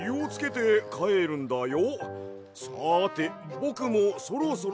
さてぼくもそろそろ。